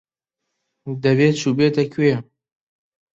دەبێ چووبێتە کوێ.